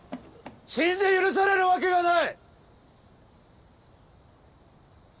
死んで許されるわけがない！